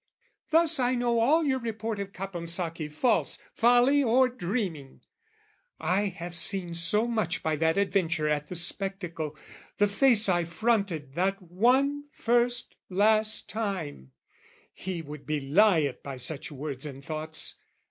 Thus I know "All your report of Caponsacchi false, "Folly or dreaming; I have seen so much "By that adventure at the spectacle, "The face I fronted that one first, last time: "He would belie it by such words and thoughts.